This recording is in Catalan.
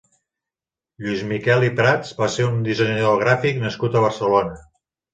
Lluís Miquel i Prats va ser un dissenyador gràfic nascut a Barcelona.